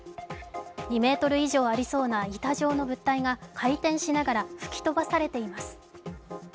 ２ｍ以上ありそうな、板状の物体が回転しながら吹き飛ばされています。